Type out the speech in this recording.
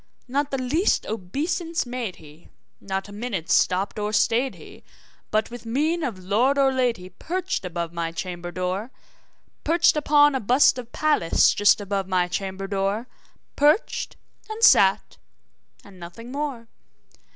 Not the least obeisance made he; not a minute stopped or stayed he; But, with mien of lord or lady, perched above my chamber door Perched upon a bust of Pallas just above my chamber door Perched, and sat, and nothing more.